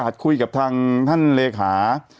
แต่หนูจะเอากับน้องเขามาแต่ว่า